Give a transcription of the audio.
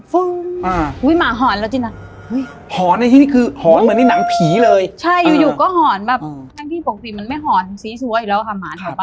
ผีมารึป่ะหยังไม่ได้นึกว่าเป็นวิริยาณเทนนี้กลิ่นทูบมันตีหน้าแบบ